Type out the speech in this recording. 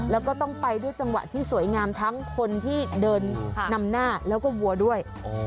แล้วก็ต้องไปด้วยจังหวะที่สวยงามทั้งคนที่เดินนำหน้าแล้วก็วัวด้วย